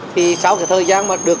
thì sau thời gian mà được